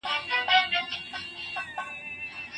اسلام د مرییانو ساتل نه هڅوي.